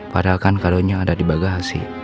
padahal kan kadonya ada di bagasi